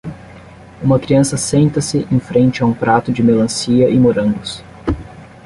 Uma criança senta-se em frente a um prato de melancia e morangos.